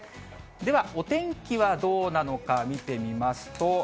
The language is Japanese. では、お天気はどうなのか、見てみますと。